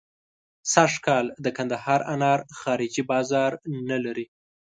سږکال د کندهار انار خارجي بازار نه لري.